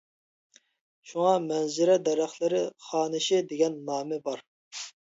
شۇڭا «مەنزىرە دەرەخلىرى خانىشى» دېگەن نامى بار.